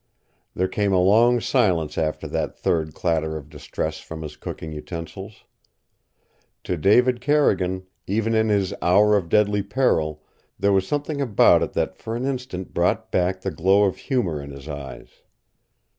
There came a long silence after that third clatter of distress from his cooking utensils. To David Carrigan, even in his hour of deadly peril, there was something about it that for an instant brought back the glow of humor in his eyes.